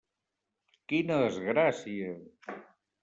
Quina desgràcia!